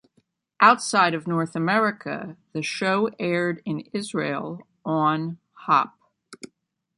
Outside of North America, the show aired in Israel on Hop!